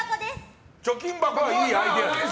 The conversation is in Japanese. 貯金箱はいいアイデアです。